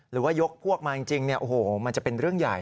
หรือว่ายกพวกมาจริงมันจะเป็นเรื่องใหญ่